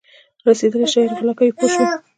رسېدلی شاعر غلا کوي پوه شوې!.